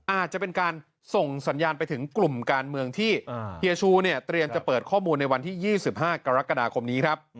อาจจะเป็นการส่งสัญญาณไปถึงกลุ่มการเมืองที่เปืนการเปิดข้อมูล๒๕กรกฎาคมนี้